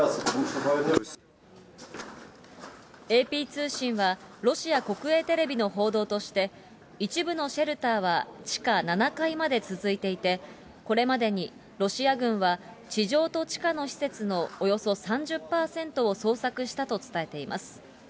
ＡＰ通信は、ロシア国営テレビの報道として、一部のシェルターは地下７階まで続いていて、これまでにロシア軍は地上と地下の施設のおよそ３０％を捜索したと伝えています。